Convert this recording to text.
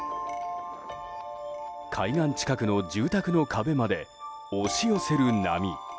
海岸近くの住宅の壁まで押し寄せる波。